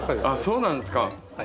そうなんですか。